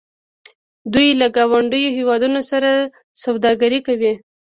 دوی له ګاونډیو هیوادونو سره سوداګري کوي.